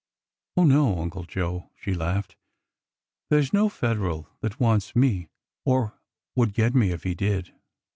" Oh, no. Uncle Joe," she laughed. " There 's no Fed eral that wants me ! or would get me if he did